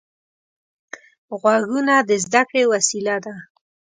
غوږونه د زده کړې وسیله ده